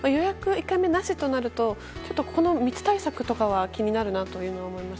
１回目なしとなると密対策とかは気になるなとは思います。